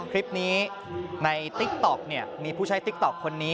คลิปนี้ในติ๊กต๊อกมีผู้ใช้ติ๊กต๊อกคนนี้